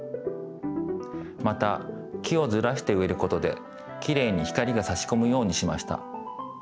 また木をずらしてうえることできれいに光がさしこむようにしました。